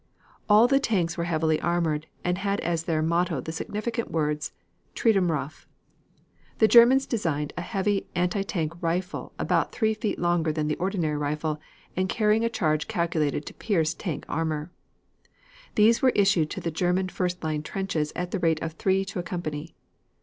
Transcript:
All the tanks were heavily armored and had as their motto the significant words "Treat 'Em Rough." The Germans designed a heavy anti tank rifle about three feet longer than the ordinary rifle and carrying a charge calculated to pierce tank armor. These were issued to the German first line trenches at the rate of three to a company.